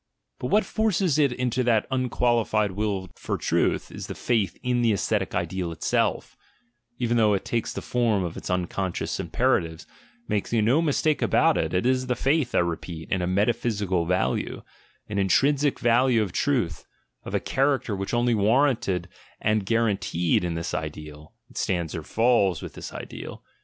Hut what forces it into that unqualified will for truth is the faith in the ascetic ideal itself, even though it take the form of its unconscious imperatives, — make no mistake about it, it is the faith, I repeat, in a mctaphysi ' value, an intrinsic value of truth, of a character which only warranted and guaranteed in this ideal (it stands and falls with that ideal).